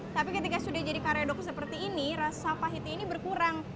tapi ketika sudah jadi karedok seperti ini rasa pahitnya ini berkurang